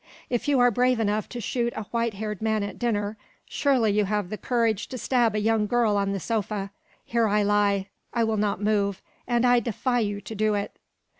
If you are brave enough to shoot a white haired man at dinner, surely you have the courage to stab a young girl on the sofa. Here I lie. I will not move. And I defy you to do it."